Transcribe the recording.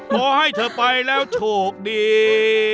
พอให้เธอไปแล้วโชคดี